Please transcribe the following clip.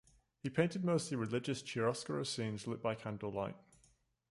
He painted mostly religious chiaroscuro scenes lit by candlelight.